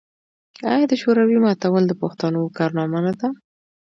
آیا د شوروي ماتول د پښتنو کارنامه نه ده؟